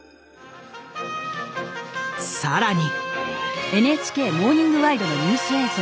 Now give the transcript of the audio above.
更に。